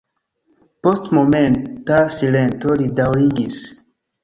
Post momenta silento li daŭrigis.